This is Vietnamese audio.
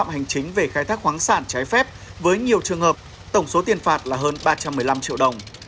hành chính về khai thác khoáng sản trái phép với nhiều trường hợp tổng số tiền phạt là hơn ba trăm một mươi năm triệu đồng